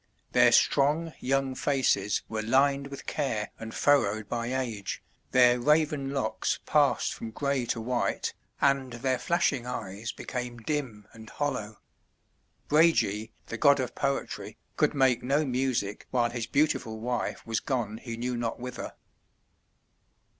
Their strong, young faces were lined with care and furrowed by age, their raven locks passed from gray to white, and their flashing eyes became dim and hollow. Brage, the god of poetry, could make no music while his beautiful wife was gone he knew not whither.